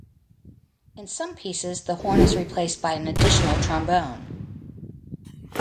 In some pieces, the horn is replaced by an additional trombone.